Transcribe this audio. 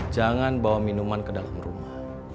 jangan bawa minuman ke dalam rumah